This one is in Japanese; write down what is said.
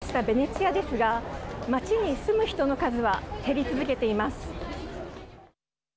にぎわいを取り戻したベネチアですが街に住む人の数は減り続けています。